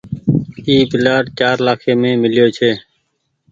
اي پلآٽ چآر لآکي مين ميليو ڇي ۔